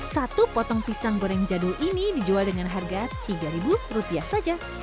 satu potong pisang goreng jadul ini dijual dengan harga tiga ribu rupiah saja